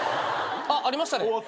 あっありましたね。